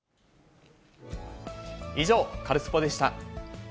以上、カルスポっ！でした。